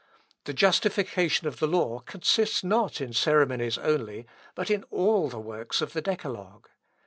The justification of the law consists not in ceremonies only, but in all the works of the Decalogue.